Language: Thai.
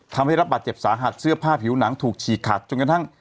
ทำให้รับบัตรเจ็บสาหัสเชื่อผ้าผิวหนังถูกฉีกขัดจนกดังทั้ง